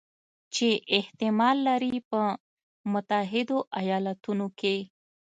چې احتمال لري په متحدو ایالتونو کې